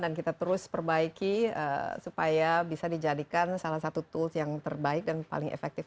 dan kita terus perbaiki supaya bisa dijadikan salah satu tools yang terbaik dan paling efektif